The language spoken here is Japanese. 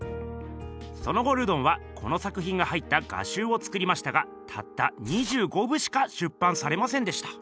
その後ルドンはこの作ひんが入った画集を作りましたがたった２５部しか出版されませんでした。